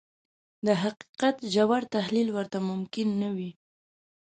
د حقيقت ژور تحليل ورته ممکن نه وي.